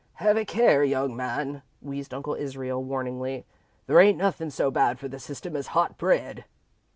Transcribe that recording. "Have a care, young man," wheezed Uncle Israel, warningly. "There ain't nothin' so bad for the system as hot bread."